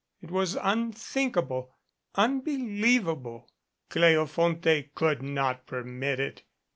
It was unthinkable unbelievable! Cleofonte could not permit it.